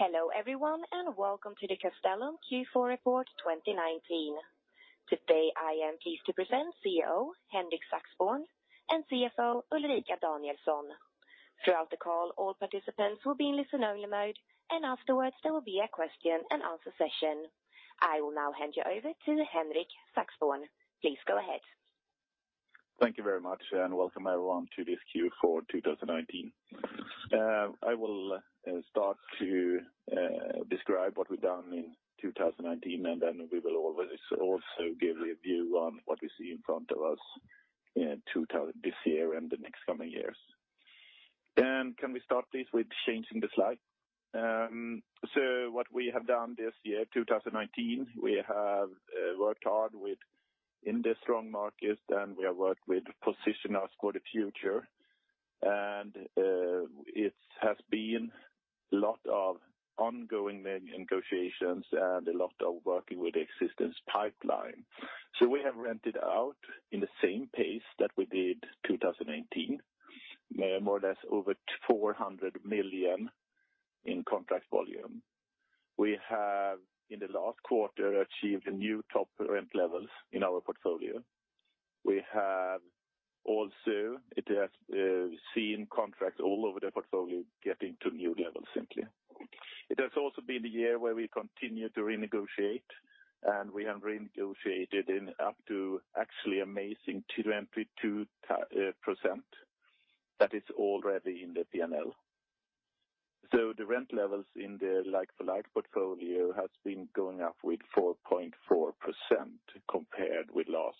Hello everyone, and welcome to the Castellum Q4 Report 2019. Today, I am pleased to present CEO Henrik Saxborn and CFO Ulrika Danielsson. Throughout the call, all participants will be in listen-only mode. Afterwards, there will be a question and answer session. I will now hand you over to Henrik Saxborn. Please go ahead. Thank you very much, welcome everyone to this Q4 2019. I will start to describe what we've done in 2019, then we will also give a view on what we see in front of us this year and the next coming years. Can we start, please, with changing the slide? What we have done this year, 2019, we have worked hard in the strong markets, we have worked with position us for the future. It has been lot of ongoing negotiations and a lot of working with the existing pipeline. We have rented out in the same pace that we did 2018, more or less over 400 million in contract volume. We have, in the last quarter, achieved new top rent levels in our portfolio. We have also seen contracts all over the portfolio getting to new levels simply. It has also been the year where we continued to renegotiate. We have renegotiated in up to actually amazing 22%, that is already in the P&L. The rent levels in the like-for-like portfolio has been going up with 4.4% compared with last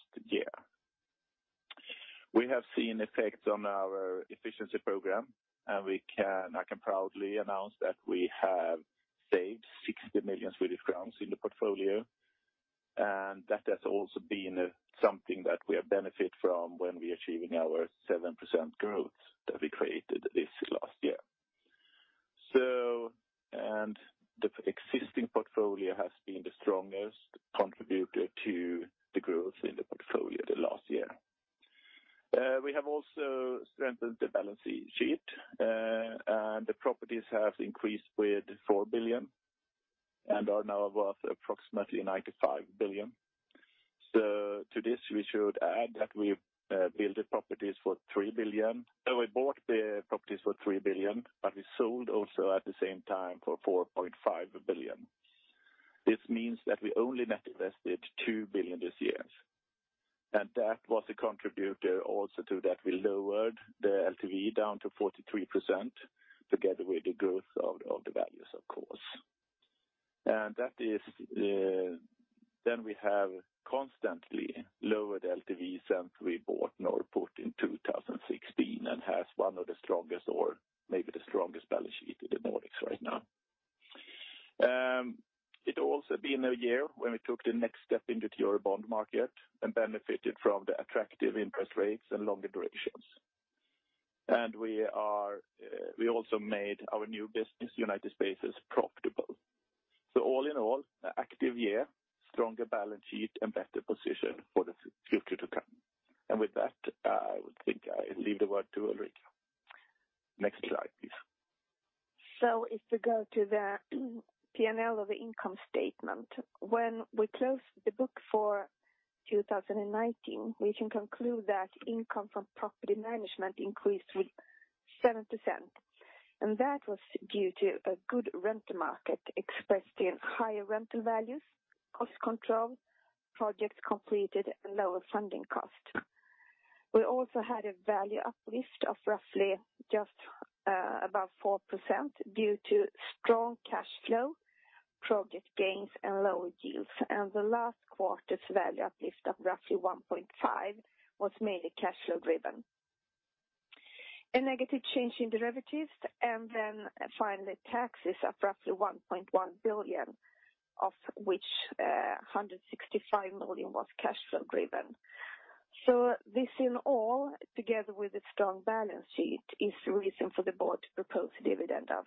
year. We have seen effects on our efficiency program. I can proudly announce that we have saved 60 million Swedish crowns in the portfolio. That has also been something that we have benefit from when we're achieving our 7% growth that we created this last year. The existing portfolio has been the strongest contributor to the growth in the portfolio the last year. We have also strengthened the balance sheet. The properties have increased with 4 billion and are now worth approximately 95 billion. To this, we should add that we built the properties for 3 billion. We bought the properties for 3 billion, but we sold also at the same time for 4.5 billion. This means that we only net invested 2 billion this year. That was a contributor also to that we lowered the LTV down to 43%, together with the growth of the values, of course. We have constantly lowered LTV since we bought Norrporten in 2016 and has one of the strongest, or maybe the strongest balance sheet in the Nordics right now. It also been a year when we took the next step into Euro bond market and benefited from the attractive interest rates and longer durations. We also made our new business, United Spaces, profitable. All in all, an active year, stronger balance sheet, and better position for the future to come. With that, I would think I leave the word to Ulrika. Next slide, please. If we go to the P&L of the income statement, when we close the book for 2019, we can conclude that income from property management increased with 7%. That was due to a good rental market expressed in higher rental values, cost control, projects completed, and lower funding cost. We also had a value uplift of roughly just above 4% due to strong cash flow, project gains, and lower yields. The last quarter's value uplift of roughly 1.5% was mainly cash flow-driven. A negative change in derivatives, finally, taxes of roughly 1.1 billion, of which 165 million was cash flow-driven. This in all, together with a strong balance sheet, is the reason for the board to propose a dividend of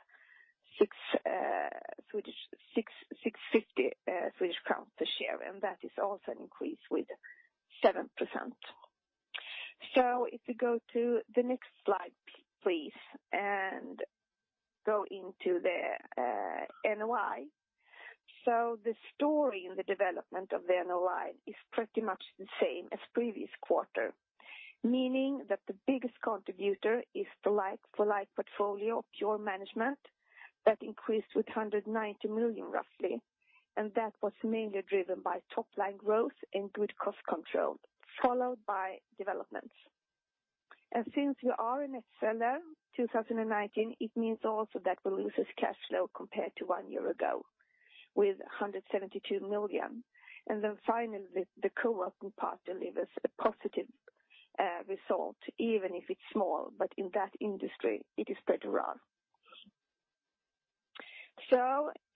6.50 Swedish crowns per share, that is also an increase with 7%. If you go to the next slide, please, and go into the NOI. The story in the development of the NOI is pretty much the same as previous quarter, meaning that the biggest contributor is the like-for-like portfolio of pure management that increased with 190 million roughly. That was mainly driven by top-line growth and good cost control, followed by developments. Since we are a net seller 2019, it means also that we lose cash flow compared to one year ago with 172 million. Finally, the coworking part delivers a positive result, even if it's small, but in that industry it is pretty rare.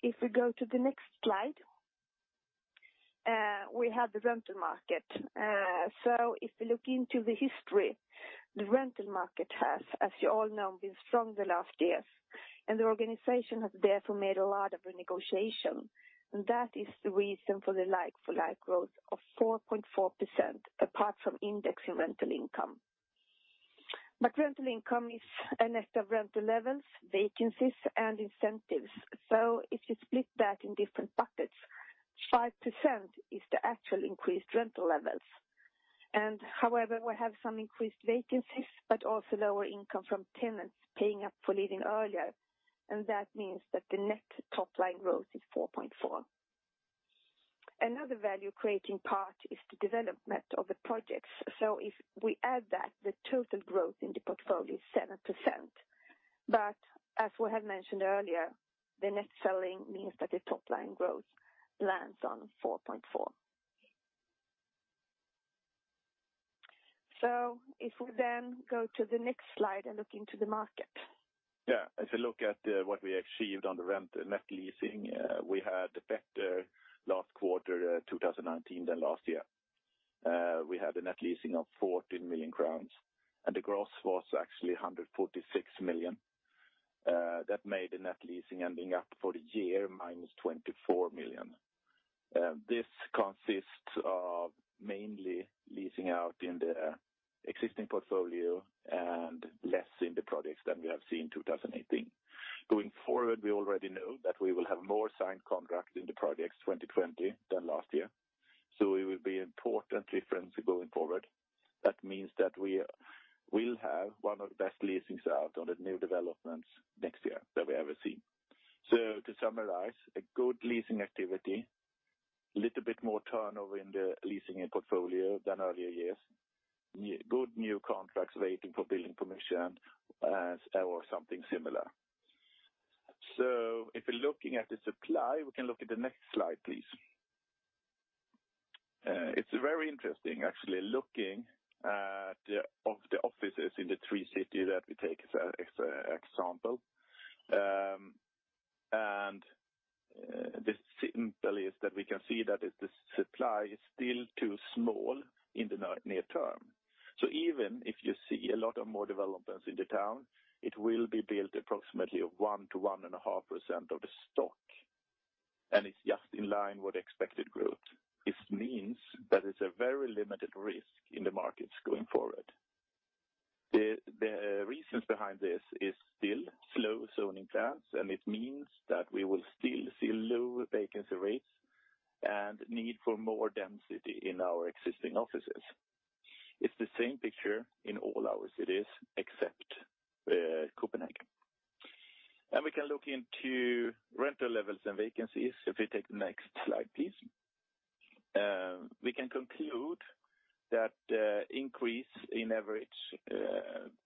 If we go to the next slide. We have the rental market. If we look into the history, the rental market has, as you all know, been strong the last years, and the organization has therefore made a lot of negotiation. That is the reason for the like-for-like growth of 4.4%, apart from indexing rental income. Rental income is a net of rental levels, vacancies, and incentives. If you split that in different buckets, 5% is the actual increased rental levels. However, we have some increased vacancies, but also lower income from tenants paying up for leaving earlier, and that means that the net top-line growth is 4.4%. Another value-creating part is the development of the projects. If we add that, the total growth in the portfolio is 7%. As we have mentioned earlier, the net selling means that the top-line growth lands on 4.4%. If we then go to the next slide and look into the market. If you look at what we achieved on the rent net leasing, we had better last quarter 2019 than last year. We had a net leasing of 14 million crowns, the growth was actually 146 million. That made a net leasing ending up for the year -24 million. This consists of mainly leasing out in the existing portfolio and less in the projects than we have seen in 2018. Going forward, we already know that we will have more signed contracts in the projects 2020 than last year. It will be important difference going forward. That means that we will have one of the best leasings out on the new developments next year that we ever seen. To summarize, a good leasing activity, little bit more turnover in the leasing and portfolio than earlier years. Good new contracts waiting for building permission as or something similar. If you're looking at the supply, we can look at the next slide, please. It's very interesting actually looking at the offices in the three city that we take as example. The simple is that we can see that the supply is still too small in the near term. Even if you see a lot of more developments in the town, it will be built approximately a 1%-1.5% of the stock. It's just in line with expected growth. It means that it's a very limited risk in the markets going forward. The reasons behind this is still slow zoning plans, and it means that we will still see low vacancy rates and need for more density in our existing offices. It's the same picture in all our cities except Copenhagen. We can look into rental levels and vacancies. If we take the next slide, please. We can conclude that increase in average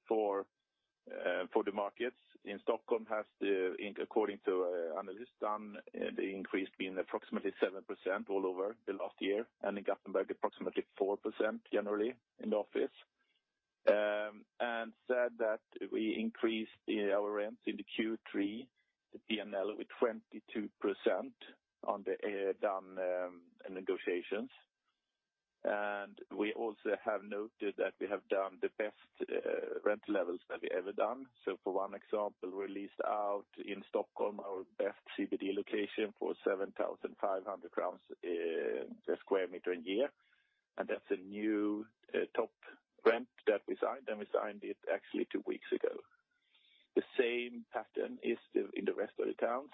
for the markets in Stockholm has the, according to analyst data, the increase been approximately 7% all over the last year, and in Gothenburg approximately 4% generally in the office. Said that we increased our rents in the Q3 P&L with 22% on the done negotiations. We also have noted that we have done the best rental levels that we ever done. For one example, we leased out in Stockholm our best CBD location for SEK 7,500 sq m a year. That's a new top rent that we signed, and we signed it actually two weeks ago. The same pattern is still in the rest of the towns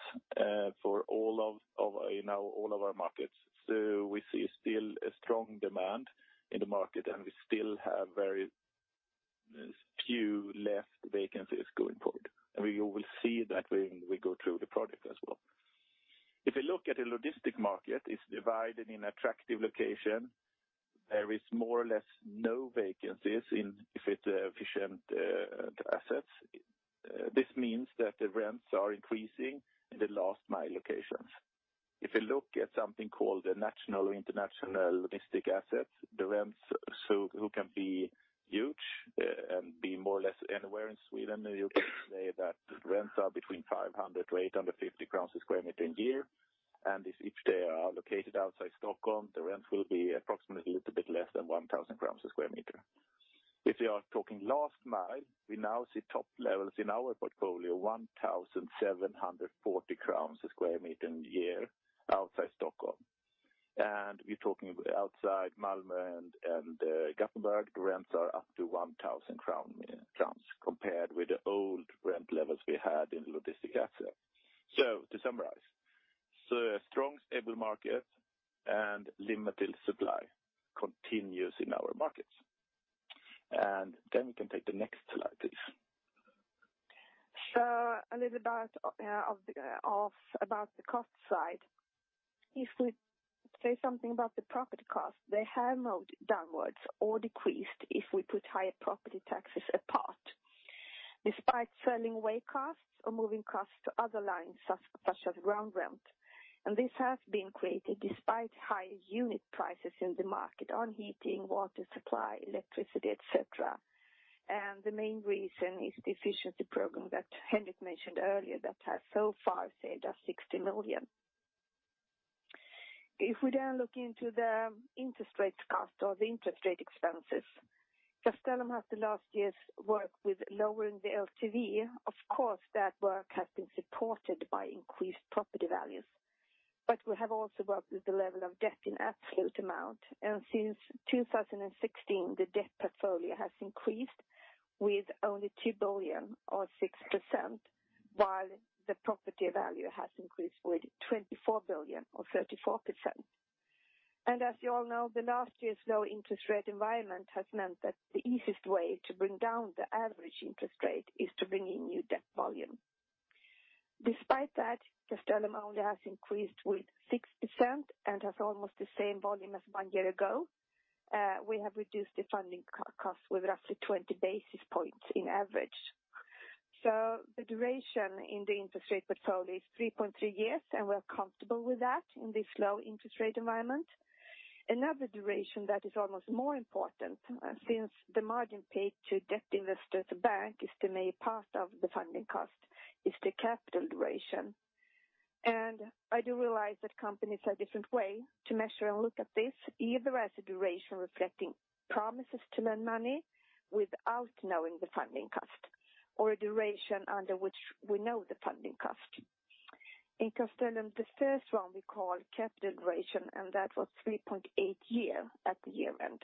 for all of our markets. We see still a strong demand in the market, and we still have very few left vacancies going forward. We will see that when we go through the project as well. If we look at the logistic market, it's divided in attractive location. There is more or less no vacancies in efficient assets. This means that the rents are increasing in the last mile locations. If we look at something called the national or international logistic assets, the rents so too can be huge and be more or less anywhere in Sweden or you can say that rents are between 500-850 crowns sq m in a year. If they are located outside Stockholm, the rent will be approximately a little bit less than 1,000 sq m. If we are talking last mile, we now see top levels in our portfolio 1,740 crowns sq m in a year outside Stockholm. We're talking outside Malmö and Gothenburg, rents are up to 1,000 crowns compared with the old rent levels we had in logistic asset. To summarize. A strong, stable market and limited supply continues in our markets. We can take the next slide, please. A little about of the cost side. If we say something about the property cost, they have moved downwards or decreased if we put higher property taxes apart. Despite selling away costs or moving costs to other lines such as ground rent. This has been created despite high unit prices in the market on heating, water supply, electricity, et cetera. The main reason is the efficiency program that Henrik mentioned earlier that has so far saved us 60 million. If we then look into the interest rate cost or the interest rate expenses. Castellum after last year's work with lowering the LTV, of course, that work has been supported by increased property values. We have also worked with the level of debt in absolute amount. Since 2016, the debt portfolio has increased with only 2 billion or 6%, while the property value has increased with 24 billion or 34%. As you all know, the last year's low interest rate environment has meant that the easiest way to bring down the average interest rate is to bring in new debt volume. Despite that, Castellum only has increased with 6% and has almost the same volume as one year ago. We have reduced the funding cost with roughly 20 basis points in average. The duration in the interest rate portfolio is 3.3 years, and we are comfortable with that in this low interest rate environment. Another duration that is almost more important, since the margin paid to debt investors bank is the main part of the funding cost, is the capital duration. I do realize that companies have different way to measure and look at this, either as a duration reflecting promises to lend money without knowing the funding cost or a duration under which we know the funding cost. In Castellum, the first one we call capital duration, and that was 3.8 year at the year-end.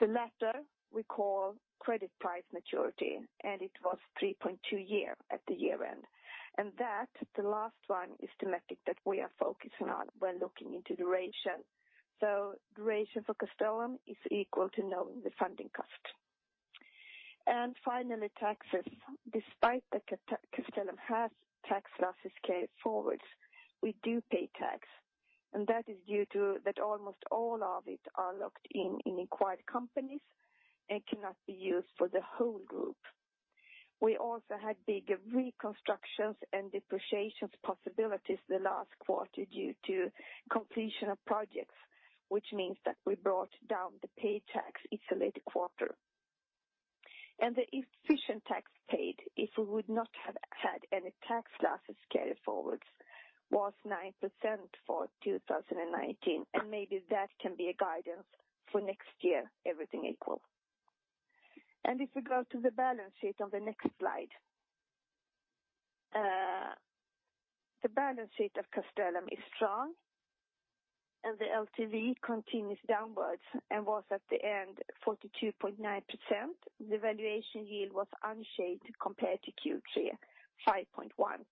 That, the latter we call credit price maturity, and it was 3.2 year at the year-end. That, the last one is the metric that we are focusing on when looking into duration. So duration for Castellum is equal to knowing the funding cost. Finally, taxes. Despite that Castellum has tax losses carried forward, we do pay tax, and that is due to that almost all of it are locked in acquired companies and cannot be used for the whole group. We also had big reconstructions and depreciation possibilities the last quarter due to completion of projects, which means that we brought down the paid tax isolated quarter. The efficient tax paid, if we would not have had any tax losses carried forward, was 9% for 2019, and maybe that can be a guidance for next year, everything equal. If we go to the balance sheet on the next slide. The balance sheet of Castellum is strong and the LTV continues downwards and was at the end 42.9%. The valuation yield was unchanged compared to Q3, 5.1%.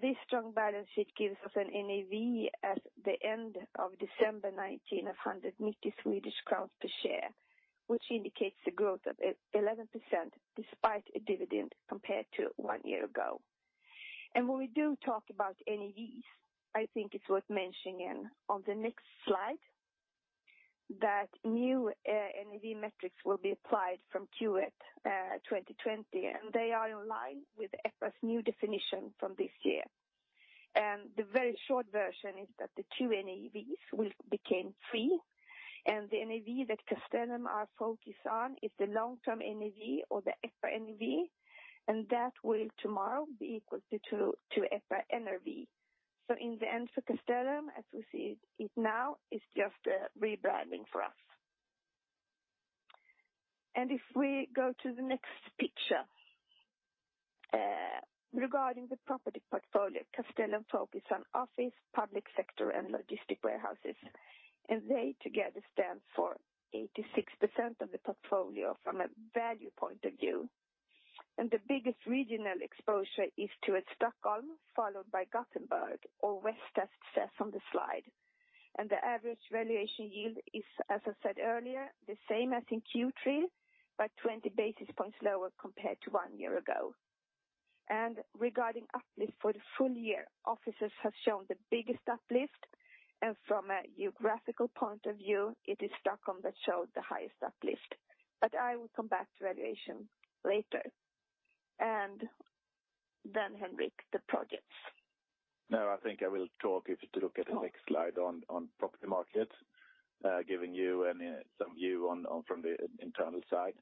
This strong balance sheet gives us an NAV as the end of December 2019 of 190 Swedish crowns per share, which indicates a growth of 11% despite a dividend compared to one year ago. When we do talk about NAVs, I think it's worth mentioning on the next slide that new NAV metrics will be applied from Q1 2020, and they are in line with EPRA's new definition from this year. The very short version is that the two NAVs will become three, and the NAV that Castellum are focused on is the long-term NAV or the EPRA NAV, and that will tomorrow be equal to EPRA NRV. In the end for Castellum, as we see it now, it's just a rebranding for us. If we go to the next picture. Regarding the property portfolio, Castellum focus on office, public sector and logistics warehouses, and they together stand for 86% of the portfolio from a value point of view. The biggest regional exposure is to Stockholm, followed by Gothenburg or West from the slide. The average valuation yield is, as I said earlier, the same as in Q3, but 20 basis points lower compared to one year ago. Regarding uplift for the full year, offices have shown the biggest uplift, and from a geographical point of view, it is Stockholm that showed the highest uplift. I will come back to valuation later. Henrik, the projects. I think I will talk, if you look at the next slide, on property markets, giving you some view on from the internal side.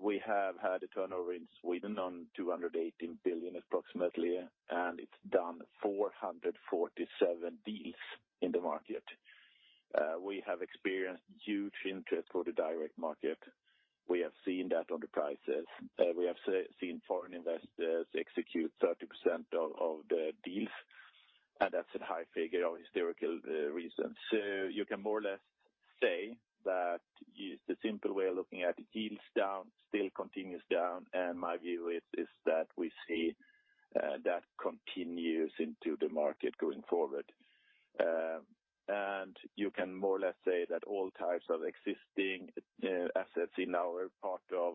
We have had a turnover in Sweden on 218 billion approximately. It's done 447 deals in the market. We have experienced huge interest for the direct market. We have seen that on the prices. We have seen foreign investors execute 30% of the deals. That's a high figure of historical reasons. You can more or less say that the simple way of looking at it, yields down still continues down. My view is that we see that continues into the market going forward. You can more or less say that all types of existing assets in our part of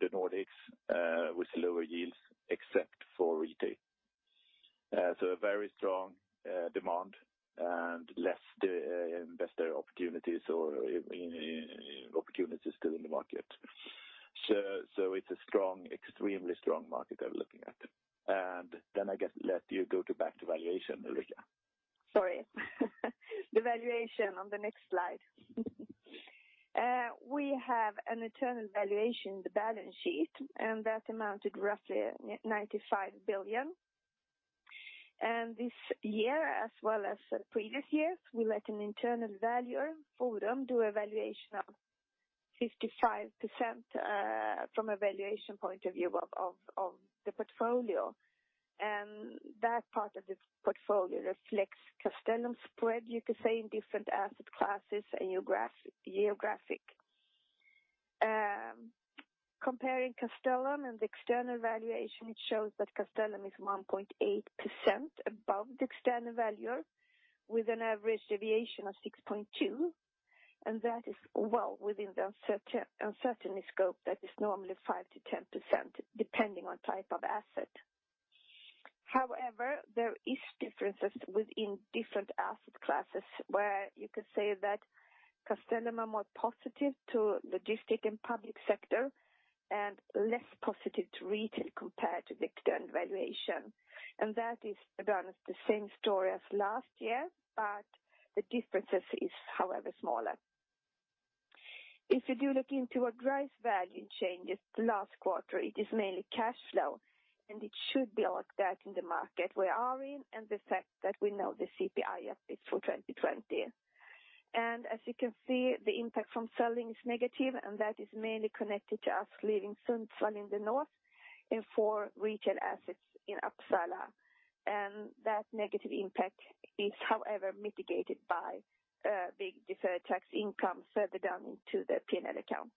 the Nordics with lower yields except for retail. A very strong demand and less investor opportunities or opportunities still in the market. It's a extremely strong market we are looking at. I guess let you go to back to valuation, Ulrika. Sorry. The valuation on the next slide. We have an internal valuation, the balance sheet, that amounted roughly 95 billion. This year as well as previous years, we let an internal valuer forum do a valuation of 55% from a valuation point of view of the portfolio. That part of the portfolio reflects Castellum spread, you could say, in different asset classes and geographic. Comparing Castellum and the external valuation, it shows that Castellum is 1.8% above the external value with an average deviation of 6.2%, and that is well within the uncertainty scope that is normally 5%-10%, depending on type of asset. However, there is differences within different asset classes, where you could say that Castellum are more positive to logistic and public sector, and less positive to retail compared to the external valuation. That is about the same story as last year, but the differences is, however, smaller. If you do look into what drives value changes to last quarter, it is mainly cash flow, and it should be like that in the market we are in and the fact that we know the CPI updates for 2020. As you can see, the impact from selling is negative, and that is mainly connected to us leaving Sundsvall in the north and four regional assets in Uppsala. That negative impact is, however, mitigated by big deferred tax income further down into the P&L account.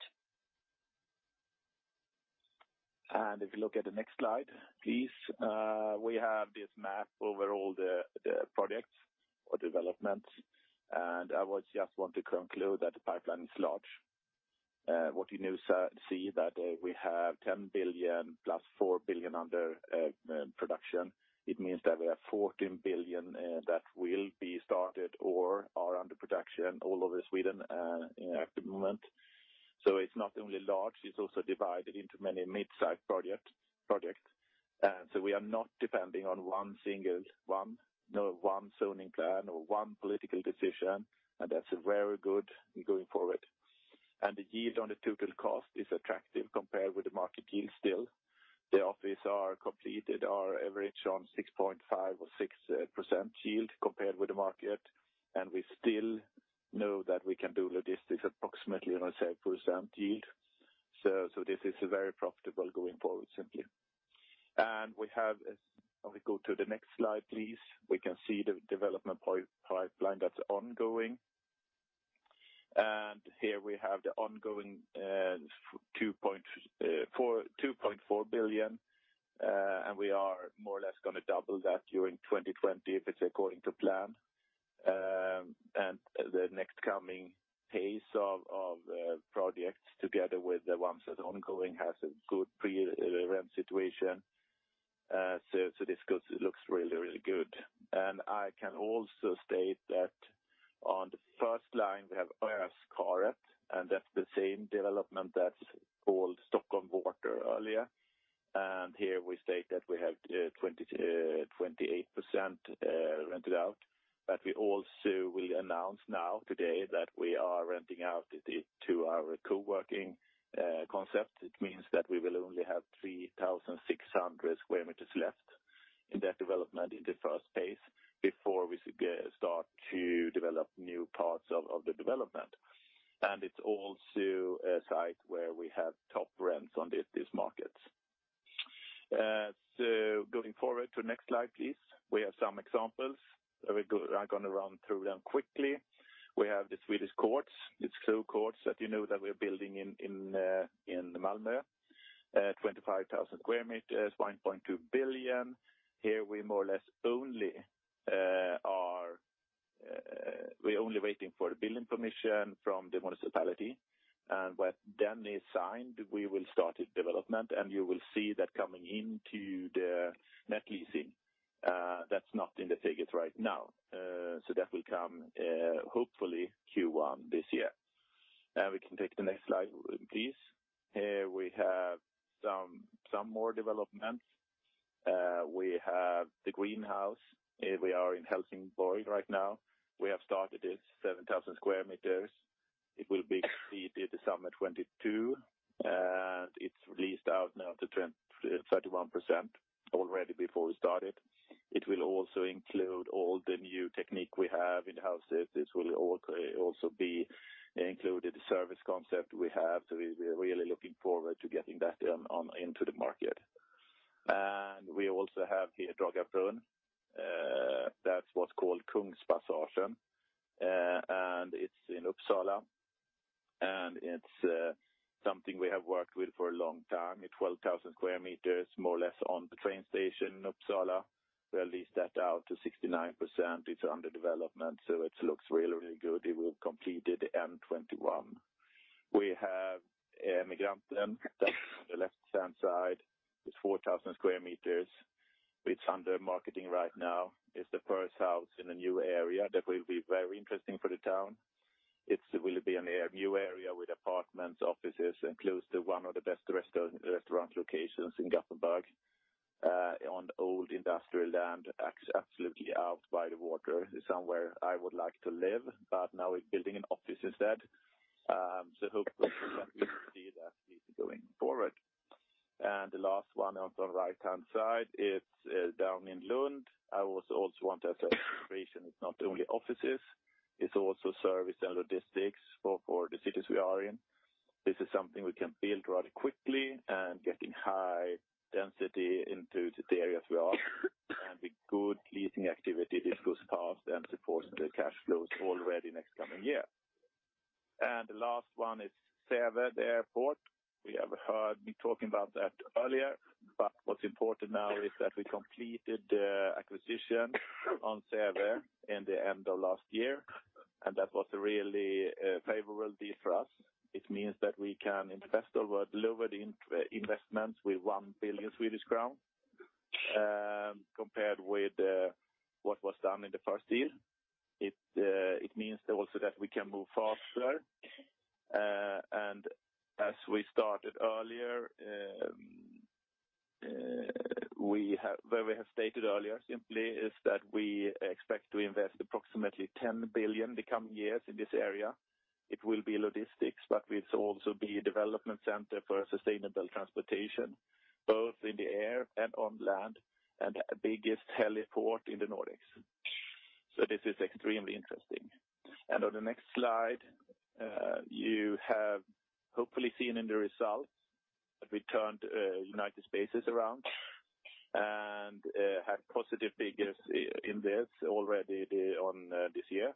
If you look at the next slide, please. We have this map over all the projects or developments. I would just want to conclude that the pipeline is large. What you now see that we have 10 billion plus 4 billion under production. It means that we have 14 billion that will be started or are under production all over Sweden at the moment. It's not only large, it's also divided into many mid-size projects. We are not depending on one single one, not one zoning plan or one political decision, and that's very good going forward. The yield on the total cost is attractive compared with the market yield still. The office are completed, are average on 6.5% or 6% yield compared with the market, and we still know that we can do logistics approximately on a 7% yield. This is very profitable going forward, simply. If we go to the next slide, please. We can see the development pipeline that's ongoing. Here we have the ongoing 2.4 billion, and we are more or less going to double that during 2020 if it's according to plan. The next coming pace of projects together with the ones that are ongoing has a good pre-rent situation. This looks really good. I can also state that on the first line, we have Örskäret, and that's the same development that's We also have here Dragarbrunn. That's what's called Kungspassagen. It's in Uppsala. It's something we have worked with for a long time. It's 12,000 sq m, more or less on the train station in Uppsala. We lease that out to 69%. It's under development, so it looks really, really good. It will be completed end 2021. We have [Ängrabacken] That's on the left-hand side. It's 4,000 sq m. It's under marketing right now. It's the first house in a new area that will be very interesting for the town. It will be a new area with apartments, offices, and close to one of the best restaurant locations in Gothenburg on old industrial land, absolutely out by the water. It's somewhere I would like to live, but now we're building an office instead. The last one on the right-hand side, it's down in Lund. I also want to say it's not only offices, it's also service and logistics for the cities we are in. This is something we can build rather quickly and getting high density into the areas we are. With good leasing activity, this goes past and supports the cash flows already next coming year. The last one is Säve, the airport. What's important now is that we completed the acquisition on Säve in the end of last year. That was a really favorable deal for us. It means that we can invest over lower investments with 1 billion Swedish crowns compared with what was done in the first deal. It means also that we can move faster. As we have stated earlier, simply is that we expect to invest approximately 10 billion the coming years in this area. It will be logistics, but it's also be a development center for sustainable transportation, both in the air and on land, and the biggest heliport in the Nordics. This is extremely interesting. On the next slide, you have hopefully seen in the results that we turned United Spaces around and had positive figures in this already on this year.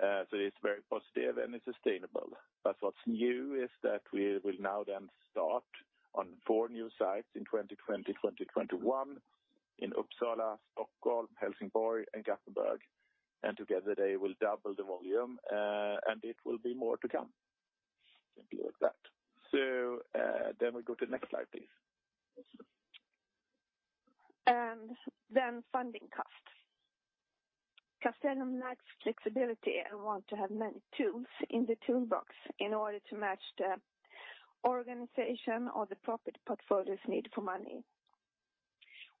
It's very positive and it's sustainable. What's new is that we will now start on four new sites in 2020, 2021 in Uppsala, Stockholm, Helsingborg, and Gothenburg. Together they will double the volume, and it will be more to come. Simply like that. We go to the next slide, please. Funding cost. Castellum likes flexibility and want to have many tools in the toolbox in order to match the organization or the property portfolio's need for money.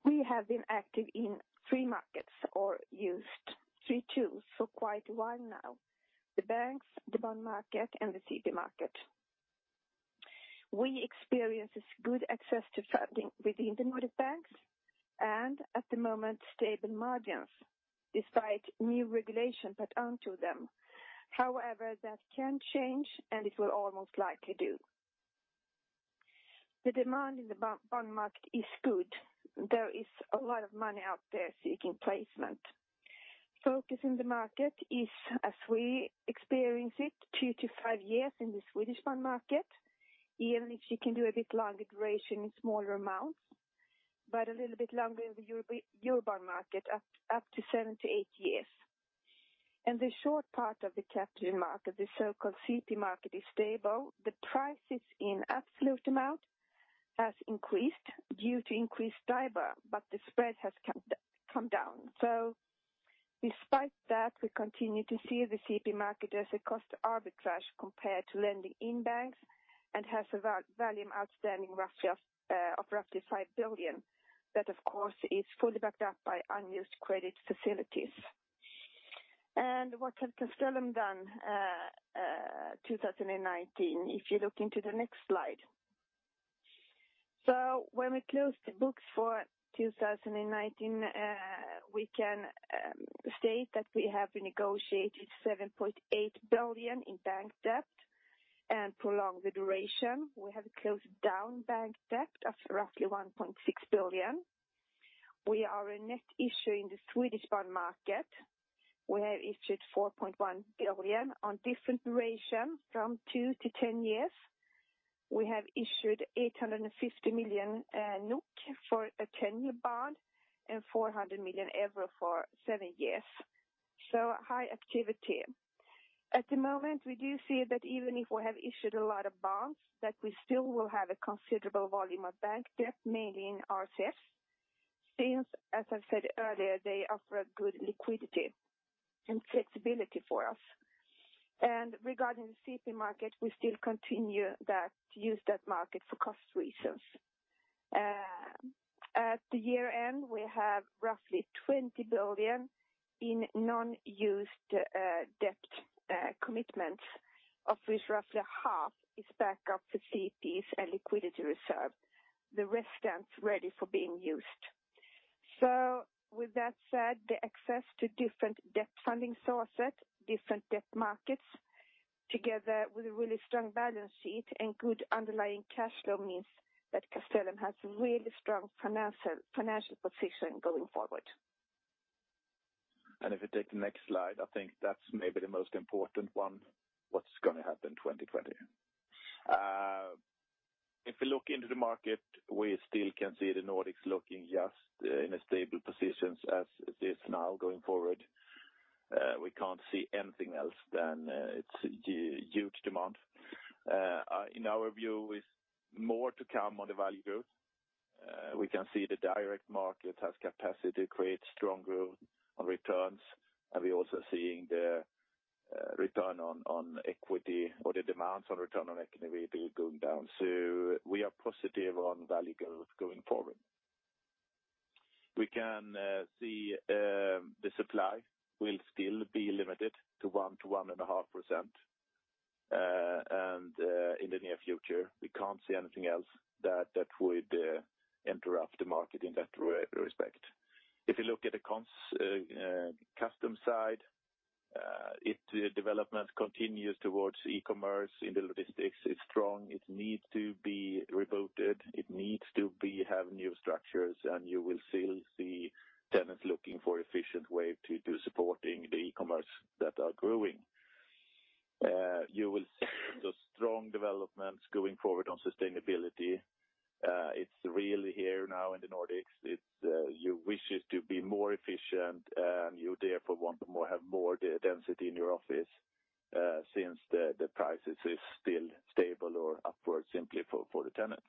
We have been active in three markets or used three tools for quite a while now. The banks, the bond market, and the CP market. We experience good access to funding within the Nordic banks and at the moment stable margins despite new regulation put onto them. However, that can change, and it will almost likely do. The demand in the bond market is good. There is a lot of money out there seeking placement. Focus in the market is, as we experience it, two to five years in the Swedish bond market, even if you can do a bit longer duration in smaller amounts, but a little bit longer in the Euro bond market up to seven to eight years. The short part of the capital market, the so-called CP market, is stable. The prices in absolute amount has increased due to increased STIBOR, but the spread has come down. Despite that, we continue to see the CP market as a cost arbitrage compared to lending in banks and has a volume outstanding of roughly 5 billion. That, of course, is fully backed up by unused credit facilities. What has Castellum done 2019, if you look into the next slide. When we closed the books for 2019, we can state that we have negotiated 7.8 billion in bank debt and prolonged the duration. We have closed down bank debt of roughly 1.6 billion. We are a net issuer in the Swedish bond market. We have issued 4.1 billion on different duration from 2-10 years. We have issued 850 million NOK for a 10-year bond and 400 million euro for seven years. High activity. At the moment, we do see that even if we have issued a lot of bonds, that we still will have a considerable volume of bank debt mainly in RCFs since, as I said earlier, they offer a good liquidity and flexibility for us. Regarding the CP market, we still continue to use that market for cost reasons. At the year-end, we have roughly 20 billion in non-used debt commitments, of which roughly half is backup facilities and liquidity reserve. The rest stands ready for being used. With that said, the access to different debt funding sources, different debt markets, together with a really strong balance sheet and good underlying cash flow means that Castellum has really strong financial position going forward. If you take the next slide, I think that's maybe the most important one. What's going to happen 2020? If we look into the market, we still can see the Nordics looking just in a stable position as it is now going forward. We can't see anything else than its huge demand. In our view, with more to come on the value growth, we can see the direct market has capacity to create strong growth on returns, and we're also seeing the return on equity or the demands on return on equity going down. We are positive on value growth going forward. We can see the supply will still be limited to 1%-1.5%. In the near future, we can't see anything else that would interrupt the market in that respect. If you look at the Castellum side, if the development continues towards e-commerce in the logistics, it's strong. It needs to be rebooted. It needs to have new structures, you will still see tenants looking for efficient way to do supporting the e-commerce that are growing. You will see the strong developments going forward on sustainability. It's really here now in the Nordics. You wish it to be more efficient, you therefore want to have more density in your office, since the prices is still stable or upwards simply for the tenants.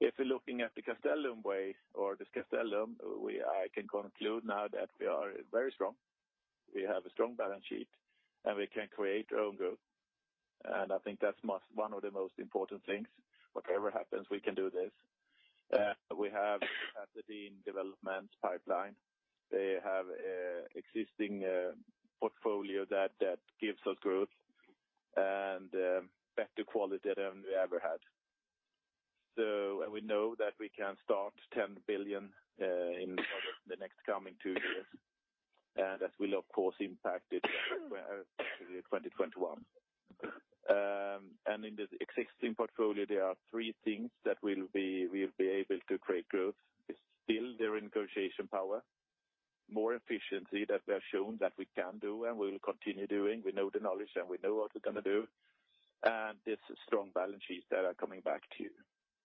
If you're looking at the Castellum way or this Castellum, I can conclude now that we are very strong. We have a strong balance sheet, we can create our own growth. I think that's one of the most important things. Whatever happens, we can do this. We have capacity in development pipeline. They have existing portfolio that gives us growth and better quality than we ever had. We know that we can start 10 billion in the next coming two years, and that will, of course, impact especially 2021. In the existing portfolio, there are three things that we'll be able to create growth. It's still the negotiation power, more efficiency that we have shown that we can do and we will continue doing. We know the knowledge, and we know what we're going to do. This strong balance sheets that are coming back to,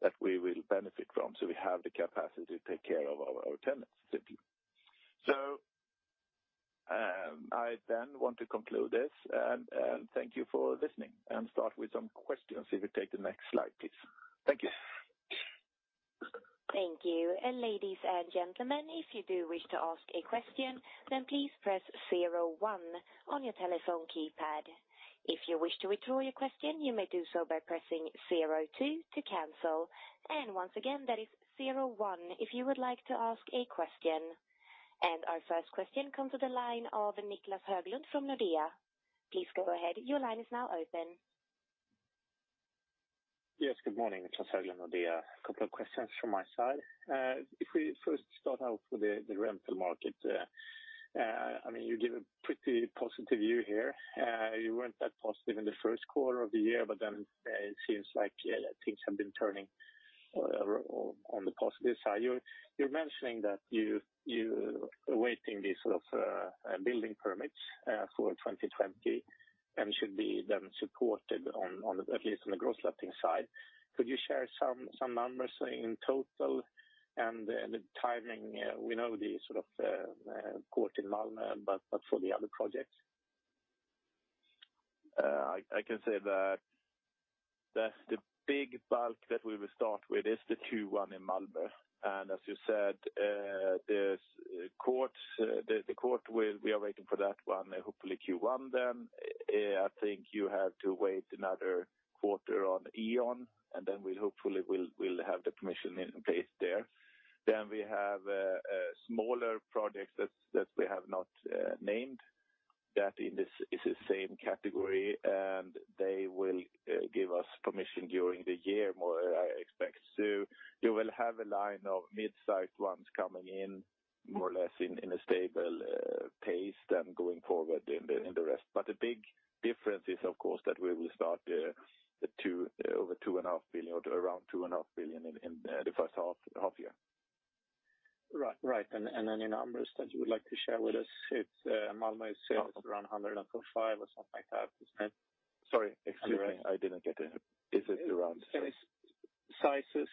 that we will benefit from. We have the capacity to take care of our tenants simply. I then want to conclude this and thank you for listening and start with some questions if you take the next slide, please. Thank you. Thank you. Ladies and gentlemen, if you do wish to ask a question, then please press zero one on your telephone keypad. If you wish to withdraw your question, you may do so by pressing zero two to cancel. Once again, that is zero one if you would like to ask a question. Our first question comes to the line of Niclas Höglund from Nordea. Please go ahead. Your line is now open. Yes. Good morning. Niclas Höglund, Nordea. Couple of questions from my side. If we first start out with the rental market. You give a pretty positive view here. You weren't that positive in the first quarter of the year, but then it seems like things have been turning on the positive side. You're mentioning that you awaiting the building permits for 2020 and should be then supported at least on the growth letting side. Could you share some numbers in total and the timing? We know the court in Malmö, but for the other projects. I can say that the big bulk that we will start with is the Q1 in Malmö. As you said, the court, we are waiting for that one, hopefully Q1 then. I think you have to wait another quarter on E.ON, then we hopefully will have the permission in place there. We have smaller projects that we have not named that is the same category, they will give us permission during the year more, I expect. You will have a line of mid-sized ones coming in more or less in a stable pace than going forward in the rest. The big difference is, of course, that we will start over 2.5 billion or around 2.5 billion in the first half year. Right. Any numbers that you would like to share with us? If Malmö is around 105 or something like that, isn't it? Sorry. Excuse me. I didn't get it. Is it around? Sizes.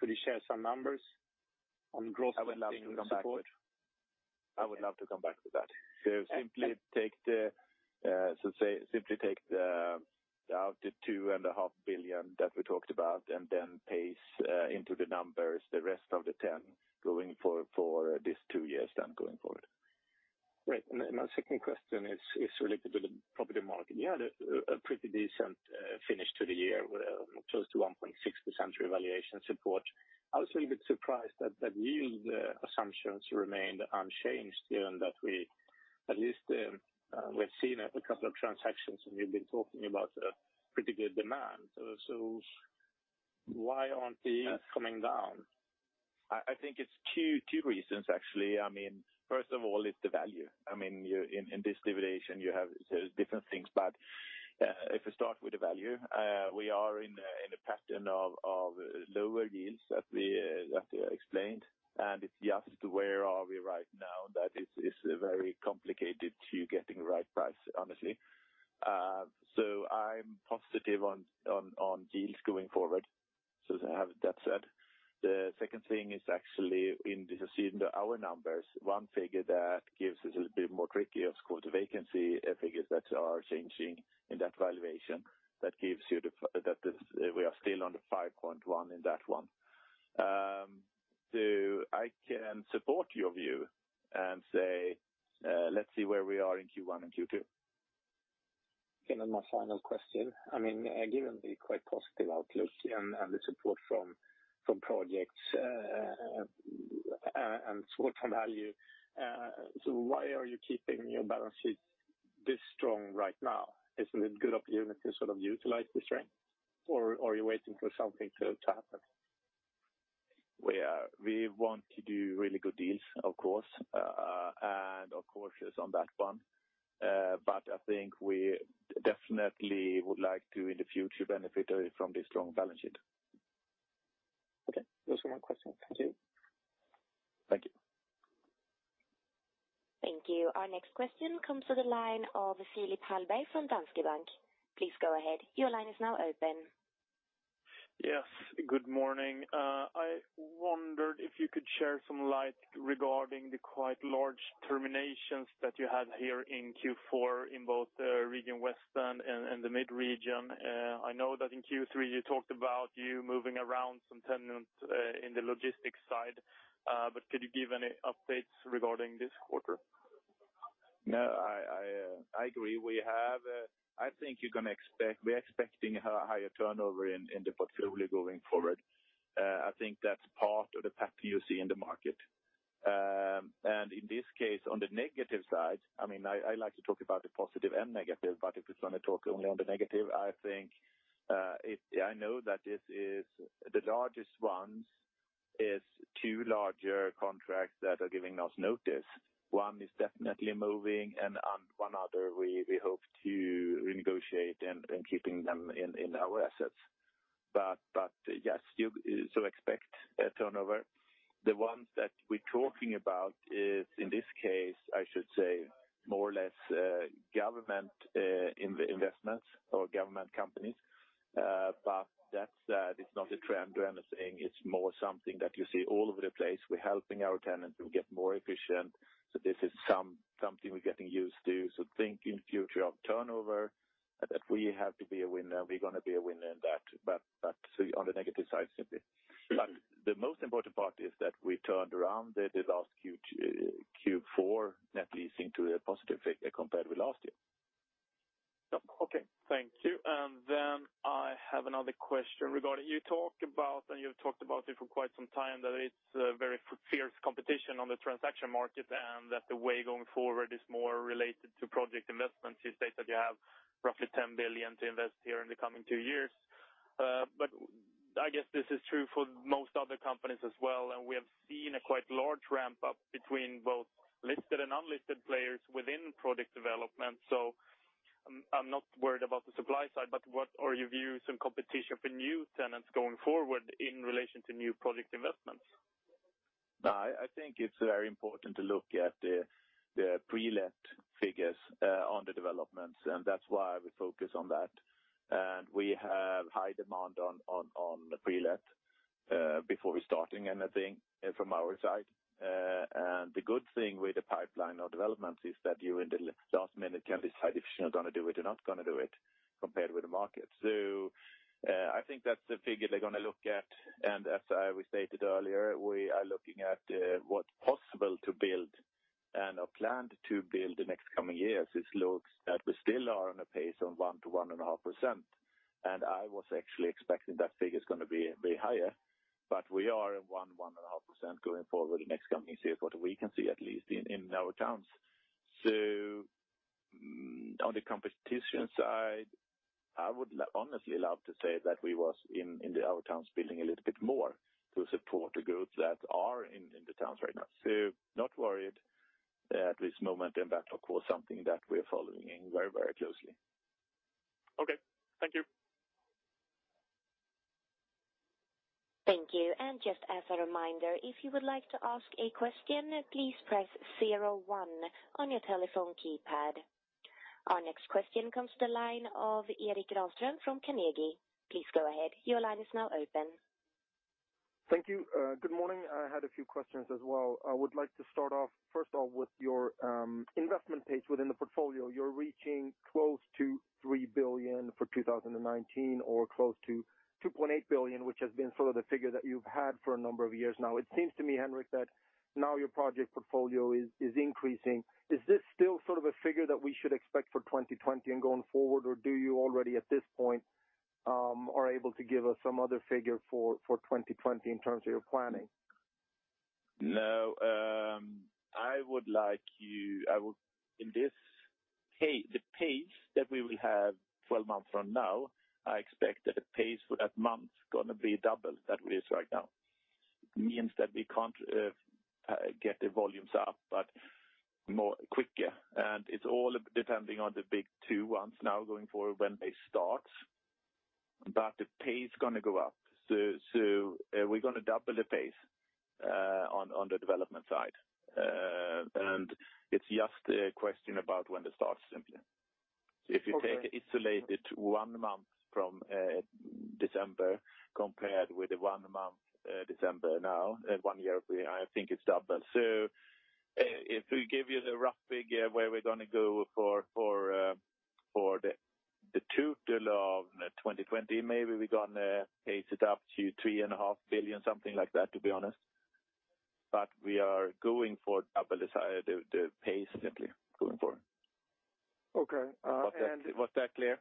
Could you share some numbers on growth support? I would love to come back to that. Say, simply take out the 2.5 billion that we talked about and then pace into the numbers the rest of the 10 going for this two years then going forward. Right. My second question is related to the property market. You had a pretty decent finish to the year with close to 1.6% revaluation support. I was a little bit surprised that yield assumptions remained unchanged given that at least we've seen a couple of transactions, and you've been talking about pretty good demand. Why aren't the yields coming down? I think it's two reasons, actually. First of all, it's the value. In this division you have different things, but if you start with the value, we are in a pattern of lower yields, as we explained. If you ask where are we right now, that is very complicated to getting the right price, honestly. I'm positive on deals going forward. To have that said. The second thing is actually in this, you see in our numbers, one figure that gives us a little bit more tricky is called the vacancy figures that are changing in that valuation. That gives you that we are still on the 5.1 in that one. I can support your view and say, let's see where we are in Q1 and Q2. On my final question. Given the quite positive outlook and the support from projects and support on value, why are you keeping your balance sheet this strong right now? Isn't it good opportunity to utilize the strength, or are you waiting for something to happen? We want to do really good deals, of course, and of course it's on that one. I think we definitely would like to, in the future, benefit from the strong balance sheet. Okay. Those were my questions. Thank you. Thank you. Thank you. Our next question comes to the line of Philip Hallberg from Danske Bank. Please go ahead. Your line is now open. Yes, good morning. I wondered if you could share some light regarding the quite large terminations that you had here in Q4 in both the Region West and the Mitt Region? I know that in Q3 you talked about you moving around some tenants in the logistics side. Could you give any updates regarding this quarter? No, I agree. We're expecting a higher turnover in the portfolio going forward. I think that's part of the pattern you see in the market. In this case, on the negative side, I like to talk about the positive and negative, but if it's going to talk only on the negative, I know that the largest ones is two larger contracts that are giving us notice. One is definitely moving, and one other we hope to renegotiate and keeping them in our assets. Yes, you still expect a turnover. The ones that we're talking about is, in this case, I should say, more or less government investments or government companies. That said, it's not a trend we're saying. It's more something that you see all over the place. We're helping our tenants to get more efficient. This is something we're getting used to. Think in future of turnover, that we have to be a winner, and we're going to be a winner in that. On the negative side, simply, the most important part is that we turned around the last Q4 net leasing to a positive figure compared with last year. Okay. Thank you. I have another question regarding, you talked about, and you've talked about it for quite some time, that it's a very fierce competition on the transaction market, and that the way going forward is more related to project investments. You state that you have roughly 10 billion to invest here in the coming two years. I guess this is true for most other companies as well, and we have seen a quite large ramp-up between both listed and unlisted players within product development. I'm not worried about the supply side, but what are your views on competition for new tenants going forward in relation to new project investments? I think it's very important to look at the pre-let figures on the developments, and that's why we focus on that. We have high demand on the pre-let before we starting anything from our side. The good thing with the pipeline of development is that you, in the last minute, can decide if you're going to do it or not going to do it compared with the market. I think that's the figure they're going to look at, and as we stated earlier, we are looking at what's possible to build and are planned to build the next coming years. It looks that we still are on a pace on 1%-1.5%, and I was actually expecting that figure is going to be higher, but we are at 1%-1.5% going forward the next coming years, what we can see at least in our towns. On the competition side, I would honestly love to say that we was in our towns building a little bit more to support the groups that are in the towns right now. Not worried at this moment, and that, of course, something that we are following very closely. Okay. Thank you. Thank you. Just as a reminder, if you would like to ask a question, please press zero one on your telephone keypad. Our next question comes to the line of Erik Granström from Carnegie. Please go ahead. Your line is now open. Thank you. Good morning. I had a few questions as well. I would like to start off, first of all, with your investment pace within the portfolio. You're reaching close to 3 billion for 2019 or close to 2.8 billion, which has been sort of the figure that you've had for a number of years now. It seems to me, Henrik, that now your project portfolio is increasing. Is this still sort of a figure that we should expect for 2020 and going forward, or do you already at this point are able to give us some other figure for 2020 in terms of your planning? No. The pace that we will have 12 months from now, I expect that the pace for that month is going to be double that it is right now. It means that we can't get the volumes up, but more quicker. It's all depending on the big two ones now going forward when they start. The pace going to go up. We're going to double the pace on the development side. It's just a question about when they start, simply. Okay. If you take isolated one month from December compared with the one month December now, one year, I think it's double. If we give you the rough figure where we're going to go for the total of 2020, maybe we're going to pace it up to 3.5 billion, something like that, to be honest. We are going for double the pace simply going forward. Okay. Was that clear?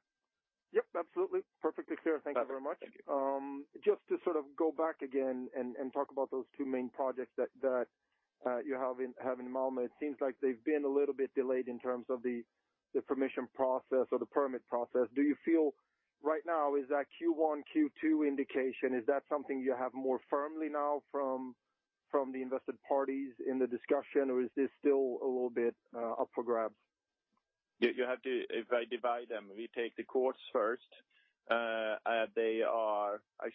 Yep, absolutely. Perfectly clear. Thank you very much. Thank you. Just to go back again and talk about those two main projects that you have in mind, it seems like they've been a little bit delayed in terms of the permission process or the permit process. Do you feel right now is that Q1, Q2 indication, is that something you have more firmly now from the invested parties in the discussion or is this still a little bit up for grabs? If I divide them, we take the courts first. I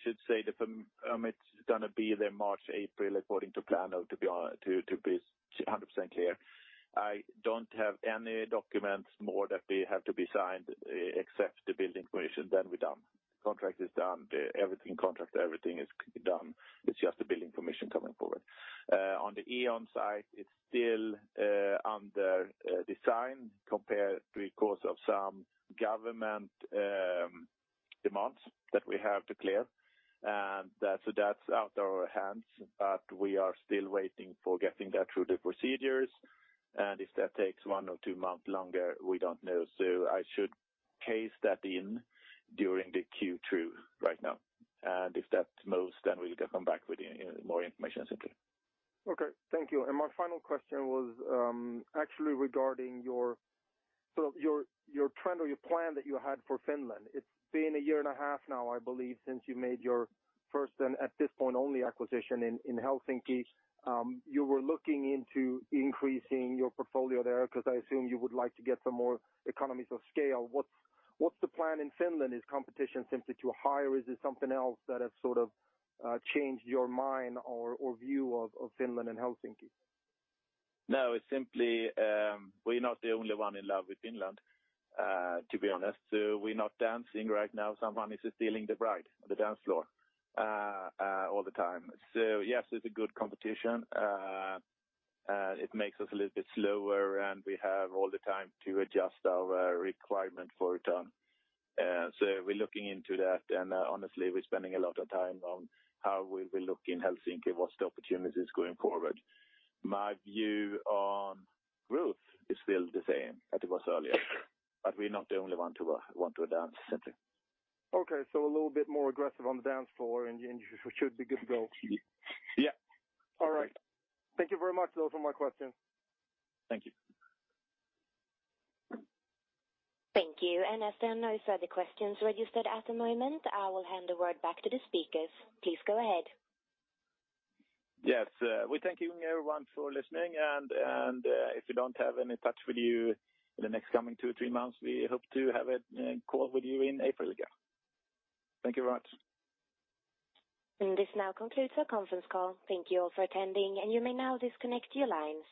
should say the permit is going to be there March, April, according to plan or to be 100% clear. I don't have any documents more that they have to be signed except the building permission, then we're done. Contract is done, everything contract, everything is done. It's just the building permission coming forward. On the E.ON site, it's still under design compared because of some government demands that we have to clear. That's out of our hands, but we are still waiting for getting that through the procedures. If that takes one or two months longer, we don't know. I should case that in during the Q2 right now. If that moves, then we can come back with more information simply. Okay, thank you. My final question was actually regarding your trend or your plan that you had for Finland. It's been a year and a half now, I believe, since you made your first and at this point, only acquisition in Helsinki. You were looking into increasing your portfolio there because I assume you would like to get some more economies of scale. What's the plan in Finland? Is competition simply too high or is it something else that has sort of changed your mind or view of Finland and Helsinki? No, it's simply, we're not the only one in love with Finland, to be honest. We're not dancing right now. Someone is stealing the bride on the dance floor all the time. Yes, it's a good competition. It makes us a little bit slower, and we have all the time to adjust our requirement for return. We're looking into that, and honestly, we're spending a lot of time on how we will look in Helsinki, what's the opportunities going forward. My view on growth is still the same as it was earlier, but we're not the only one to want to dance simply. Okay, a little bit more aggressive on the dance floor, and you should be good to go. Yeah. All right. Thank you very much. Those are my questions. Thank you. Thank you. As there are no further questions registered at the moment, I will hand the word back to the speakers. Please go ahead. Yes. We thank you everyone for listening. If we don't have any touch with you in the next coming two or three months, we hope to have a call with you in April again. Thank you very much. This now concludes our conference call. Thank you all for attending, and you may now disconnect your lines.